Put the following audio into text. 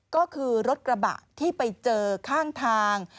ก็คือรถกระบะที่ไปเจอข้างทาง